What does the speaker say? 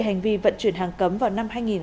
hành vi vận chuyển hàng cấm vào năm hai nghìn một mươi